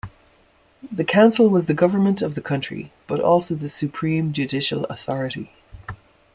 The council was the government of the country, but also the supreme judicial authority.